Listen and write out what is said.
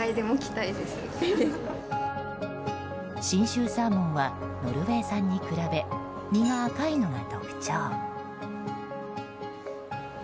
信州サーモンはノルウェー産に比べ身が赤いのが特徴。